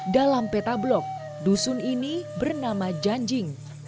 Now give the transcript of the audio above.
dalam peta blok dusun ini bernama janjing